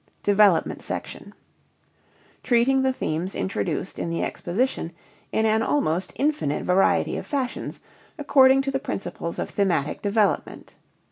DEVELOPMENT SECTION Treating the themes introduced in the exposition in an almost infinite variety of fashions, according to the principles of thematic development.